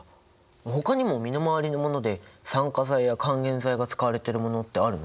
ほかにも身の回りのもので酸化剤や還元剤が使われているものってあるの？